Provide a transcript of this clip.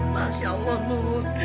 masya allah mahmud